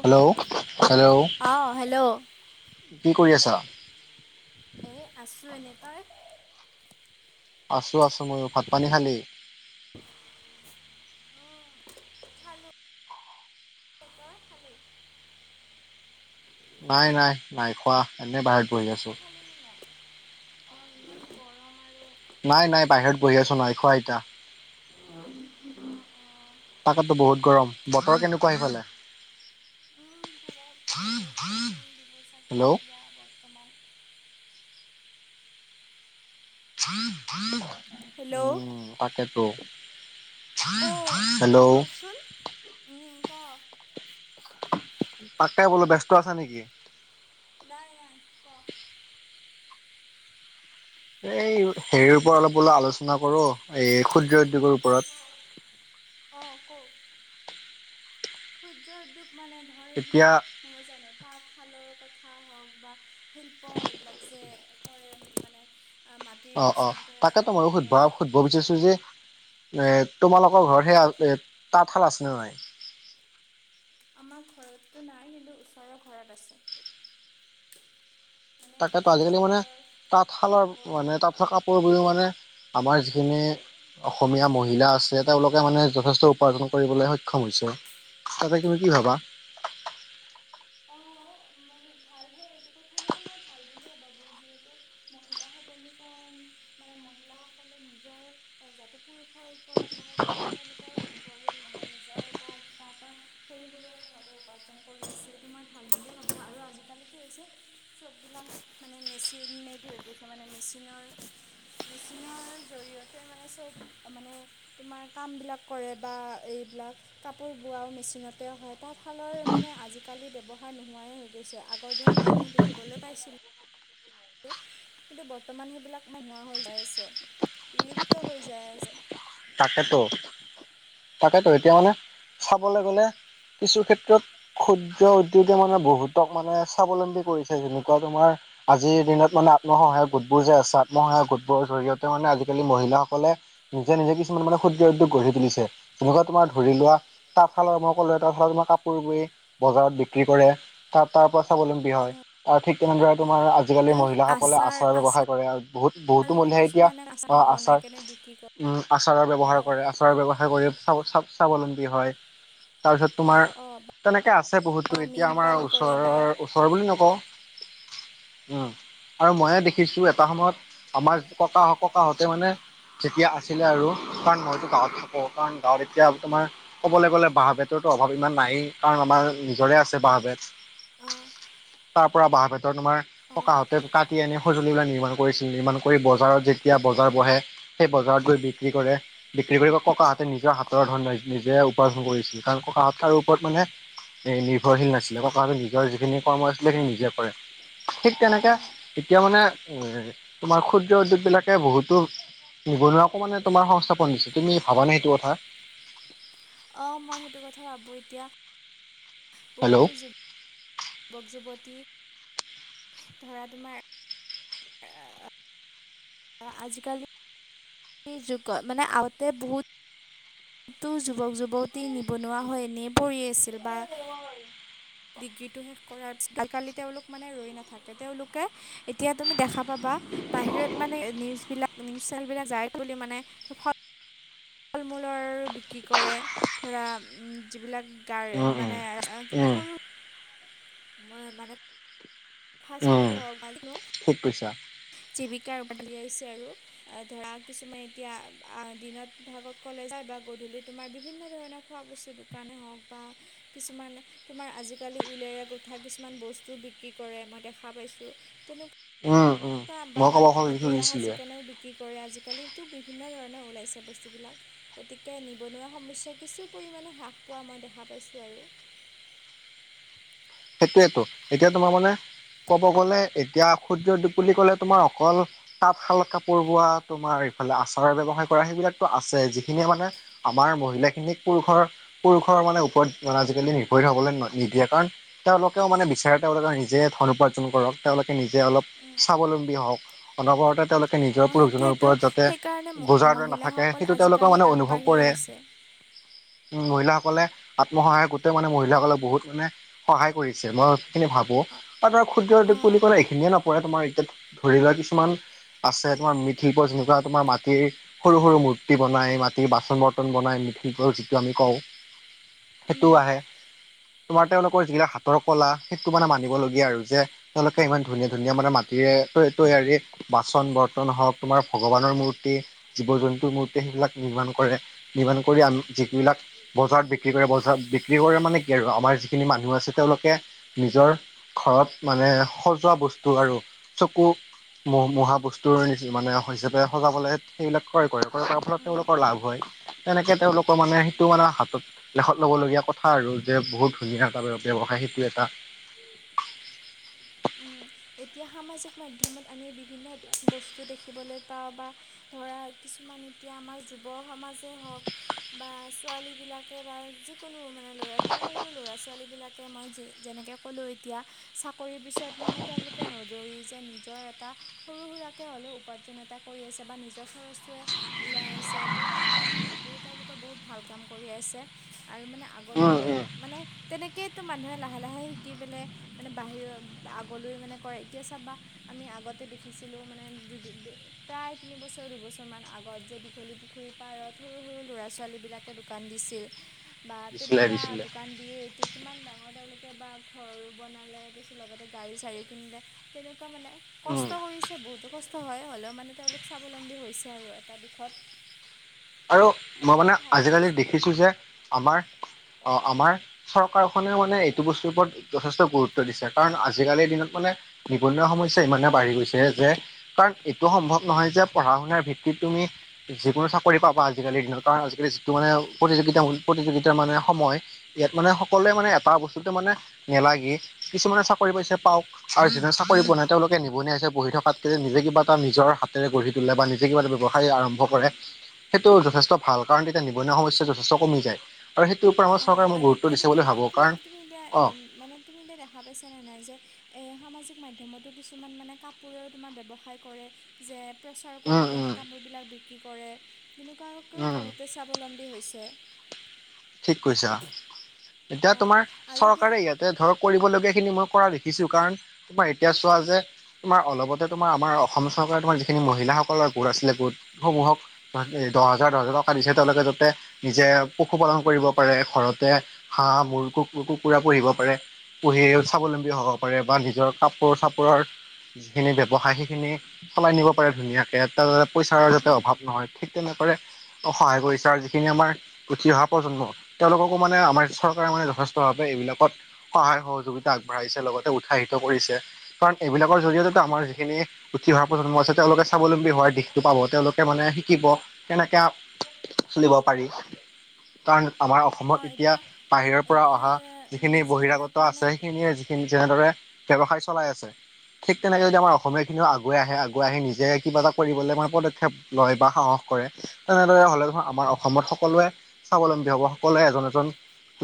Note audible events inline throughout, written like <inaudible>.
Hello hello অঁ hello কি কৰি আছা এই আছোঁ এনেই তই আছোঁ আছোঁ ময়ো ভাত পানী খালি তই খালি নাই নাই নাই খোৱা এনেই বাহিৰত বহি তই আছোঁ খালি নে নাই অঁ ইমান গৰম আৰু নাই নাই বাহিৰত বহি আছোঁ নাই খোৱা এতিয়া তাকেতো বহুত গৰম বতৰ কেনেকুৱা সিফালে উম সদায় বৰষুণ <unintelligible> দিব চাগে এতিয়া বৰ্তমান হেল্ল' উম তাকেতো অ হেল্ল' কচোন উম ক তাকে বোলো ব্যস্ত আছা নেকি নাই নাই ক এই হেৰীৰ পৰা অলপ বোলো আলোচনা কৰোঁ এই ক্ষুদ্ৰ উদ্যোগৰ ওপৰত অঁ কও <unintelligible> ক্ষুদ্ৰ উদ্যোগ মানে ধৰ এতিয়া এইবিলাক নহয় জানো তাঁতশালৰ কথা হওঁক বা শিল্প এইবিলাক যে কৰে মানে মাটিৰ অ অ বাচন তৈয়াৰ তাকেতো কৰাৰ ময়ো সুধবা পৰা সুধিব বিচাৰিছোঁ যে এ তোমালোকৰ ঘৰত সে তাঁতশাল আছে নে নাই? আমাৰ ঘৰতটো নাই কিন্তু ওচৰৰ ঘৰত আছে। মানে তাকেতো ওচৰৰ আজিকালি মানে ঘৰৰ তাঁতশালৰ মানে বৰমাহঁতে তাঁতশাল কাপোৰবোৰও মানে আমাৰ যিখিনি অসমীয়া মহিলা আছে তেওঁলোকে মানে যথেষ্ট উপাৰ্জন কৰিবলৈ সক্ষম হৈছে। ততে তুমি কি ভাবা? অঁ মই ভালহে এইটো কথা <unintelligible> মই মানে ভাল বুলিয়ে ভাবো যিহেতু মহিলা সবলীকৰণ মানে মহিলাসকলে নিজৰ যাতে পুৰুষৰ ওপৰত মানে তেওঁলোকে নিৰ্ভৰশীল নহয় নিজৰ এটা কিবা এটা সৰু সৰুকে উপাৰ্জন কৰি আছে এইটো মই ভাল বুলে ভাবো আৰু আজিকালি কি হৈছে চববিলাক মানে মেচিন মেইড হৈ গৈছে মানে মেচিনৰ মেচিনৰ জৰিয়তে মানে চব মানে তোমাৰ কামবিলাক কৰে বা এই বিলাক কাপোৰ বোৱাও মেচিনতে হয় তাঁতশালৰ মানে আজি কালি ব্যৱহাৰ নোহোৱাই হৈ গৈছে আগৰ দিনত আমি দেখিবলৈ পাইছিলো কিন্তু বৰ্তমান সেইবিলাক নোহোৱা হৈ যায় আছে বিলুপ্ত হৈ যায় আছে। তাকেতো তাকেতো এতিয়া মানে চাবলৈ গ'লে কিছু ক্ষেত্ৰত ক্ষুদ্ৰ উদ্যোগে মানে বহুতক মানে স্বাৱলম্বী কৰিছে যেনেকুৱা তোমাৰ আজিৰ দিনত মানে আত্মসহায়ক গোতবোৰ যে আছে আত্মসহায়ক গোটবোৰৰ জৰিয়তে মানে আজিকালি মহিলাসকলে নিজে নিজে কিমান মানে ক্ষুদ্ৰ উদ্যোগ গঢ়িছে তুলিছে তোমালোকে, তোমাৰ ধৰি লোৱা তাশালৰ মই কলো এটা ধাৰা তোমাৰ কাপ পোৰ বৈয়ে বজাৰত বিক্ৰী কৰে তাত তাৰ পৰা স্বাৱলম্বী হয় আৰু ঠিক তেনেদৰে তোমাৰ আজিকালি মহিলাসকলে আচাৰ ব্যৱসায় কৰে আৰু বহুত বহুতো আচাৰো মহিলাই এতিয়া কিছুমানে আচাৰবিলাক বনাই আচাৰ কেনে বিক্ৰী উম আচাৰৰ ব্যৱহাৰ কৰে আচাৰৰ ব্যৱহাৰ কৰি স্বাৱলম্বী হয়। তাৰপিছত তোমাৰ অঁ তেনেকে আছে বহুতো বা এতিয়া মীন আমাৰ পালন কৰে ওচৰৰ বা ওচৰৰ বুলি নকওঁ উম আৰু ময়ে দেখিছো এটা সময়ত আমাৰ ককা হ ককাহতে মানে যেতিয়া আ আছিলে আৰু কাৰণ মইতো গাঁৱত থাকোঁ কাৰণ গাঁৱত এতিয়া তোমাৰ ক'বলৈ গ'লে বাঁহ বেতৰতো অভাৱ ইমান নাই নায়ে কাৰণ আমাৰ নিজৰে আছে বাহ বেত অঁ তাৰ পৰা বাহ বেতৰত তোমাৰ অঁ ককাহতে কাটি আনি সঁজুলিবিলাক নিৰ্মাণ কৰিছিল নিৰ্মাণ কৰি বজাৰত যেতিয়া বজাৰ বহে সেই বজাৰত গৈ বিক্ৰী কৰে বিক্ৰী কৰি ককাহঁতে নিজৰ হাতৰ ধন নিজে উপাৰ্জন কৰিছিল কাৰণ ককাহত আৰু ওপৰত মানে নিৰ্ভৰশীল নাছিলে ককাহঁত নিজৰ যিখিনি কৰ্ম আছিলে সেইখিনি নিজে কৰে। ঠিক তেনেকে এতিয়া মানে উ তোমাৰ ক্ষুদ্ৰ উদ্যোগ বিলাকে বহুতো নিবনুৱা অকমানে তোমাৰ সংস্থাপন দিছে তুমি ভাবানে সেইটো কথা? অ মই সেইটো কথা ভাবো এতিয়া হেল্ল' বহুতো যু যুৱক যুৱতী ধৰা তোমাৰ আহ আজিকালি যুগত মানে আগতে বহুত তো যুৱক যুৱতী নিবনুৱা হৈ এনে পৰি আছিল বা ডিগ্ৰীটো শেষ কৰাৰ পিছত কালি তেওঁলোক মানে ৰৈ নাথাকে তেওঁলোকে এতিয়া তুমি দেখা পাব বা বাহিৰত মানে নিউজ বিলাক নিউজ চেনেলবিলাক যায় বুলি মানে ফল মূলৰ বিক্ৰী কৰে ধৰা যিবিলাক গা উম উম মানে উম মানুহৰো মই মানে ফাছ ফুড হওক খুব পইছা জীৱিকা উলিয়াইছে আৰু ধৰা কিছুমান এতিয়া দিনত ভাগত কলেজ যায় বা গধূলি তোমাৰ বিভিন্ন ধৰণৰ খোৱা বস্তু দোকানে হওক বা কিছুমান তোমাৰ আজি কালি ওইলে ৰে উঠা কিছুমান বস্তু বিক্ৰী কৰে মই দেখা পাইছোঁ তেনেকুৱা উম উম বা বা মই মা ক'ব মাটিজাহাজ খুজিছিলোৱে যিকেনেও বিক্ৰী কৰে আজিকালি তোৰ বিভিন্ন ধৰণে ওলাইছে বস্তুবিলাক গতিকে নিবনুৱা সমস্যা কিছু পৰিমাণে হ্ৰাস পোৱা মই দেখা পাইছোঁ আৰু <unintelligible> সেইটোৱেতোএতিয়া তোমাৰ মানে ক'ব গ'লে এতিয়া সূৰ্যদীপ বুলি ক'লে তোমাৰ অকল তাতঁ শাল কাপোৰ বোৱা তোমাৰ এইফালে আচাৰৰ ব্যৱসায় কৰা সেইবিলাকতো আছে যিখিনিয়ে মানে আমাৰ মহিলা খিনিক পুৰুষৰ পুৰুষ মানুহৰওপৰত মানে আজিকালি নিৰ্ভৰশীল হ'বলৈ নিদিয়ে কাৰণ তেওঁলোকেও মানে বিচাৰে তেওঁলোকে নিজে ধন উপাৰ্জন কৰক তেওঁলোকে নিজে অলপ স্বাৱলম্বী হওক অনবৰতে তেওঁলোকে নিজৰ অঁ পুৰুষজনৰ সেইটোৱেতো ওপৰত যাতে সেইকাৰণে বজাৰ দৰে নাথাকে মহিলাসকল সেইটো তেওঁলোকৰ আজিকালি মানে অনুভৱ আগবাঢ়ি কৰে আহিছে উ মহিলাসকলে আত্মসহায়ক গোটে মানে মহিলাসকলে বহুত মানে সহায় কৰিছে মই সেইখিনি ভাবো আৰু তোমাৰ ক্ষুদ্ৰ উদ্যোগ অঁ বুলি ক'লে এইখিনিয়ে নপৰে তোমাৰ এতিয়া ধৰি লোৱা কিছুমান আছে তোমাৰ মিঠিল যেনেকুৱা তোমাৰ মাটিৰ সৰু সৰু মূৰ্তি বনাই মাটিৰ বাচন বৰ্তন বনাই <unintelligible> যিটো আমি কও সেটো উম আহে তোমাৰ তেওঁলোক যগিলাক হাতৰ কলা সেইতটো মানে মানিবলগীয়া আৰু যে তেওঁলোকে ইমান ধুনীয়া ধুনীয়া মানে মাটিৰে তৈয়াৰী বাচন বৰ্তন হওক তোমাৰ ভগৱানৰ মূৰ্তি জীৱ জন্তুৰ মূৰ্তি সেইবিলাক নিৰ্মাণ কৰে। নিৰ্মাণ কৰি আন যিবিলাক বজাৰত বিক্ৰী কৰে বজাৰত বিক্ৰী কৰে মানে কি আৰু আমাৰ জোনখিন মানুহ আছে তেওঁলোকে নিজৰ ঘৰত মানে সজোৱা বস্তু আৰু চকু মহ মহা বস্তুৰ মানে হিচাপে সজাবলে সেইবিলাক ক্ৰয় কৰে ক্ৰয় কৰাৰ ফলত তেওঁলোকৰ লাভ হয় তেনেকে তেওঁলোকৰ মানে সেইটো মানে হাতত লেখত ল'ব লগীয়া কথা আৰু যে বহুত ধুনীয়া এটা ব্যৱসায় সেইটো এটা এতিয়া সামাজিক মাধ্যমত আমি বিভিন্ন বস্তু দেখিবলৈ পাওঁ বা ধৰা কিছুমান এতিয়া আমাৰ যুৱ সমাজে হওঁক বা ছোৱালী বিলাকে বা যিকোনো মানে লৰা সৰু সৰু ল'ৰা ছোৱালী বিলাকে মই যে যেনেকে ক'লোঁ এতিয়া চাকৰি পিছত মানে তেওঁ বহুতে নদৌৰি যে নিজৰ এটা সৰু সুৰাকে হলোও উপাৰ্জন এটা কৰি আছে বা নিজৰ খৰচটোৱে ওলাই আছে ত' সেইকাৰণে ভাবো তেওঁলোকে বহুত ভাল কাম কৰি আছে আৰু মানে আগলৈ উম বোৰ উম। মানে তেনেকেইটো মানুহে লাহে লাহে শিকি পেলাই মানে বাহিৰৰ আগলৈ মানে কৰে এতিয়া চাবা আমি আগতে দেখিছিলোঁ মানে দু দু প্ৰায় তিনিবছৰ দুবছৰমান আগ আগত যে দীঘলী পুখুৰীৰ পাৰত সৰু সৰু ল'ৰা ছোৱালীবিলাকে দোকান দিছিল বা দিছিলে তেনেকুৱা দিছিলে দোকান দিয়ে এতি কিমান ডাঙৰ তেওঁলোকে বা ঘৰ বনালে তাৰ পিছত লগতে গাড়ী চাড়ী কিনিলে তেনেকুৱা মানে উম। কষ্ট কৰিছে বহুতো কষ্ট হয় হলেও মানে তেওঁলোক স্বাৱলম্বী হৈছে আৰু কৰে এটা দিশত আৰু মই মানে এইটোতো ভালেই আজিকালি হৈছে দেখিছো যে আমাৰ অহ আমাৰ চৰকাৰখনেও মানে এইটো বস্তুৰ ওপৰত যথেষ্ট গুৰুত্ব দিছে কাৰণ আজিকালিৰ দিনত দিনত মানে নিবনুৱা সমস্যা ইমানে বাঢ়ি গৈছে যে কাৰণ এইটো সম্ভৱ নহয় যে পঢ়া শুনাৰ ভিওি ভিওি তুমি যিকোনো কৰি পাবা আজালিৰ দিনত কাৰ আজিকালি যিটো মানে প্ৰতিযোগিতা প্ৰতিযোগিতাৰ মানে সময় ইয়াত মানে সকলো সকলোতে মানে এটা বস্তুতটো মানে নালাগে কিছুমানে চাকৰি পইচা পাওঁ আৰু জোনে চাকৰি পোৱা নাই তেওঁলোকে নিবনুৱাই হৈছে বহি থকাতকৈ যে নিজে কিবা এটা নিজৰ হাতেৰে গঢ়ি তোলে বা নিজে কিবা এটা ব্যৱসায় আৰম্ভ উম কৰে সেইটো যথেষ্ট ভাল কাৰণ তেতিয়া নিবনুৱা সমস্যা যথেষ্ট কমি যায় আৰু সেইটোৰ ওপৰত আমাৰ অহ চৰকাৰে মই আৰু গুৰুত্ব এতিয়া দিছে তুমি বুলি ভাবো কাৰণ তুমি এতিয়া অ মানে তুমি এতিয়া দেখা পাইছা নে নাই যে এ সামাজিক মাধ্যমতো কিছুমান মানে কাপোৰৰ তোমাৰ ব্যৱসায় কৰে যে প্ৰচাৰ উম কৰি কিনে উম কাপোৰবিলাক বিক্ৰী কৰে তেনেকুৱাকৈও উম বহুতে স্বাৱলম্বী হৈছে ঠিক কৈছা এতিয়া অঁ তোমাৰ আৰু এতিয়া চৰকাৰে ইয়াতে ধৰক কৰিবলগীয়া সেই খিনি মই কৰা দেখিছো কাৰণ তোমাৰ এতিয়া চোৱা যে তোমাৰ অলপতে তোমাৰ আমাৰ অসম চৰকাৰে তোমাৰ যিখিনি মহিলাসকলৰ গোট আছিলে গোটসমূহক দহ হাজাৰ দহ হাজাৰ টকা দিছে তেওঁলোকে যাতে নিজে পশু পালন কৰিব পাৰে ঘৰতে হাঁহ মূৰ কুকুৰা পুহিব পাৰে পুহি স্বাৱলম্বী তেওঁ' হব পাৰে বা নিজৰ কাপোৰ চাপোৰৰ যিখিনি ব্যৱসায় সেইখিনি চলাই নিব পাৰে ধুনীয়াকে তাৰতে পইচাৰ যাতে অভাৱ নহয় ঠিক তেনেক কৰে সহায় কৰিছে আৰু যিখিনি আমাৰ উঠি অহা প্ৰজন্ম তেওঁলোকো মানে আমাৰ চৰকাৰে মানে যথেষ্ট ভাৱে এইবিলাকত সহায় সহযোগিতা পঢ়াইছে লগতে উৎসাহিত কৰিছে। কাৰণ এইবিলাকৰ জৰিয়তে আমাৰ যিখিনি উঠি অহাৰ প্ৰজন্ম আছে তেওঁলোকে স্বাৱলম্বী হোৱাৰ দিশতটো পাব তেওঁলোকে মানে শিকিব কেনেকে চলিব পাৰি। তাৰ আমাৰ অসমত এতিয়া বাহিৰৰ পৰা এতিয়া অহা যিখিনি যিবিলাক বহিৰাগত আছে মানে সেইখিনিয়ে যিখিনি যেনেদৰে। ব্যৱসায় চলাই আছে ঠিক তেনেকে যদি আমাৰ অসমীয়া খিনিও আগুৱাই আহে আগুৱাই আহি নিজে কিবা এটা কৰিবলৈ মানে পদক্ষেপ লয় বা সাহস কৰে তেনেদৰে হলে ধৰ আমাৰ অসমত সকলোৱে স্বাৱলম্বী হব সকলোৱে এজন এজন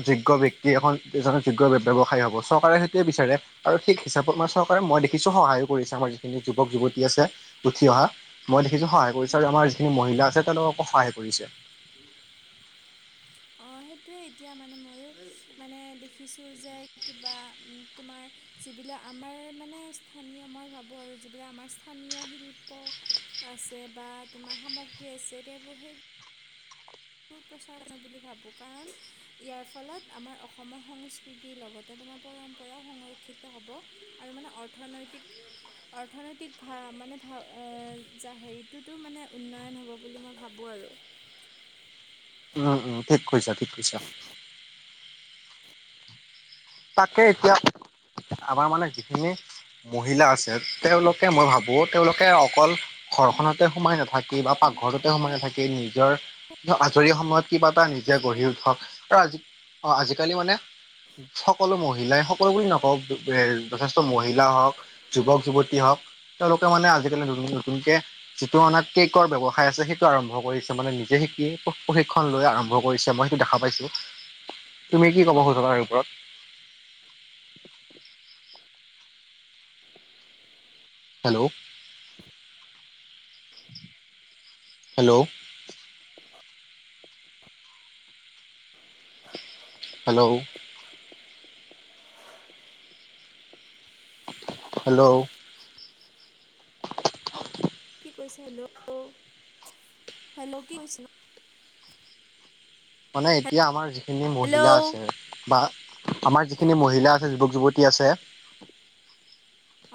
যোগ্য ব্যক্তি এখন এজনৰ যোগ্য ব্যৱসায়ী হব চৰকাৰে সেইটোৱে বিচাৰে আৰু সেইটো হিচাপত আমাৰ চৰকাৰে মই দেখিছো সহায়ো কৰিছ আমাৰ যিখিনি যুৱক যুৱতী আছে উঠি অহা মই দেখিছো সহায় কৰিছো আৰু আমাৰ যিখিনি মহিলা আছে তেওঁলোককো সহায় কৰিছে তোৱে এতিয়া মানে ময়ো মানে দেখিছোঁ যে কিবা তোমাৰ যিবিলাক আমাৰ মানে স্থানীয় মই ভাবোঁ আৰু যিবিলাক আমাৰ স্থানীয় শিল্প আছে বা তোমাৰ সামগ্ৰী আছে তেওঁৰ সেই প্ৰচাৰ বুলি ভাবোঁ কাৰণ ইয়াৰ ফলত আমাৰ অসমৰ সংস্কৃতিৰ লগতে তোমাৰ পৰম্পৰা সংৰক্ষিত হ'ব আৰু মানে অৰ্থনৈতিক। অৰ্থনৈতিক ভা মানে ভা হেৰিটোতো মানে উন্নয়ন হ'ব বুলি মই ভাবোঁ আৰু। আৰু <unintelligible> উম উম ঠিক কৈছা ঠিক কৈছা তাকে এতিয়া আমাৰ মানে যিখিনি। মহিলা আছে তেওঁলোকে মই ভাবো তেওঁলোকে অকল ঘৰখনতে সোমাই নাথাকি বা। পাক ঘৰতে সোমাই নাথাকি নিজৰ আজৰি সময়ত কিবা এটা নিজে গঢ়ি উঠক আৰু আজি অ আজিকালি মানে সকলো মহিলা- হিলাই সকলো বুলি নকওঁ কিছুমান যথেষ্ট মহিলা যুৱক-যুৱতী হক তেওঁৰ মুক্তমনে আজিকালি নতুনকে যিটো মানে কেকৰ ব্যৱসায় আছে সেইটো আৰম্ভ কৰিছে মানে নিজে শিকি প্ৰশিক্ষণ লৈ আৰম্ভ কৰিছে মই সেইটো দেখা পাইছো তুমি কি কবা এই ওপৰত। <unintelligible> হেল্ল' হেল্ল' হেল্ল' হেল্ল' কি <unintelligible> কৈছে হেল্ল' অ হেল্ল' কি কৈছিল মানে এতিয়া আমাৰ যিখিনি মহিলা আছে বা আমাৰ যিখিনি মহিলা আছে যুৱক যুৱতী আছে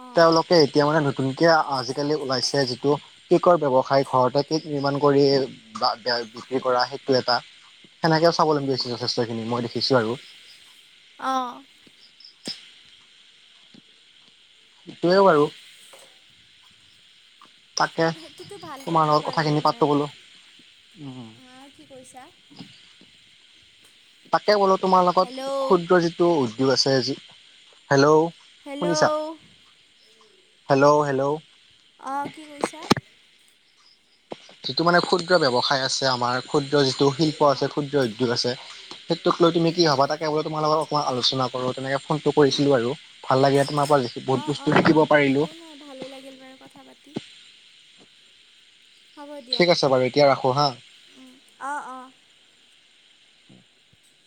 অঁ তেওঁলোকে এতিয়া মানে নতুনকে আজিকালি ওলাইছে যিটো কেকৰ ব্যৱসায় ঘৰতে কেক নিৰ্মাণ কৰি বা বিক্ৰী কৰা সেইটো এটা সেনেকেও স্বাৱলম্বী হৈ উম হৈছে যথেষ্টখিনি মই দেখিছো আৰু সেটোৱে বাৰু তাকে এইটো ভাল তোমাৰ কথা লগত বাৰু কথাখিনি মানে পাতো বোলো উম হা। কি কৈছা? তাকে ক'লো তোমাৰ লগত হেল্ল' ক্ষুদ্ৰ যিটো উদ্যোগ আছে যি হেল্ল' শুনিছা হেল্ল' হেল্ল' হেল্ল' আহ কি কৈছা? যিটো মানে ক্ষুদ্ৰ ব্যৱসায় আছে আমাৰ ক্ষুদ্ৰ যিটো শিল্প আছে ক্ষুদ্ৰ উদ্যোগ আছে সেইটোক লৈ কি ভাবা তাকে বোলে তোমাৰ লগত অকমান আলোচনা কৰো তেনেকে ফোনটো কৰিছিলো আৰু ভাল লাগে তোমাৰ পৰা বহুত অ বস্তু অ শিকিব অ পাৰিলো একো নাই ভালে লাগিল বাৰু কথা পাতি। হ'ব দিয়া, ঠিক আছে বাৰু এতিয়া ৰাখো হা অঁ অঁ। হয় <inaudible>